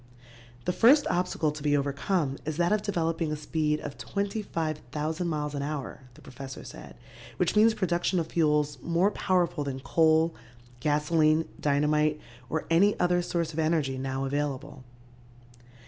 The first obstacle to be overcome is that of developing a speed of 25,000 miles an hour, the professor said, which means production of fuels more powerful than coal, gasoline, dynamite or any other source of energy now available.